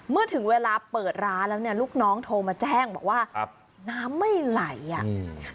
เมื่อถึงเวลาเปิดร้านแล้วเนี่ยลูกน้องโทรมาแจ้งบอกว่าครับน้ำไม่ไหลอ่ะอืม